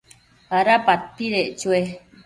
¿ada padpedec chopec?